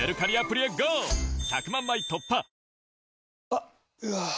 あっ、うわー。